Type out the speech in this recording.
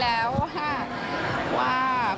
แล้วก็ใช้ทั้งความเขาเรียกว่าไง